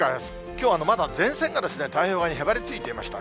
きょうはまだ前線が太平洋側にへばりついていました。